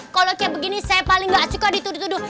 kalau kayak begini saya paling gak suka dituduh tuduh